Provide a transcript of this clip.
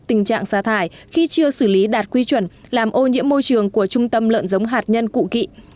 tình trạng xa thải khi chưa xử lý đạt quy chuẩn làm ô nhiễm môi trường của trung tâm lợn giống hạt nhân cụ kỵ